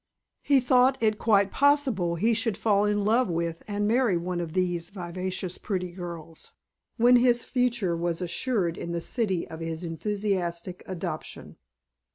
He thought it quite possible he should fall in love with and marry one of these vivacious pretty girls; when his future was assured in the city of his enthusiastic adoption.